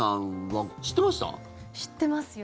知ってますよ。